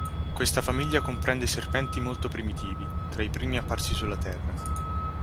Questa famiglia comprende serpenti molto primitivi, tra i primi apparsi sulla Terra.